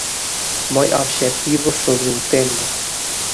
Moi obxectivo sobre o tema.